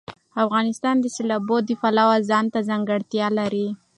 افغانستان د سیلابونه د پلوه ځانته ځانګړتیا لري.